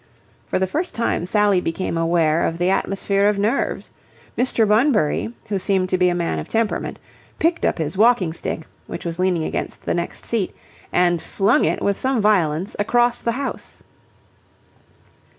For the first time Sally became aware of the atmosphere of nerves. Mr. Bunbury, who seemed to be a man of temperament, picked up his walking stick, which was leaning against the next seat, and flung it with some violence across the house.